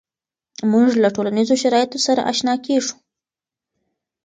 مونږ له ټولنیزو شرایطو سره آشنا کیږو.